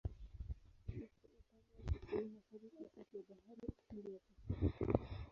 Iko upande wa Kusini-Mashariki kati ya Bahari ya Uhindi na Pasifiki.